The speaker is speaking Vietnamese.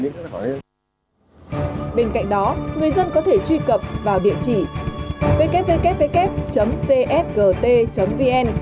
bên cạnh đó người dân có thể truy cập vào địa chỉ www csgt vn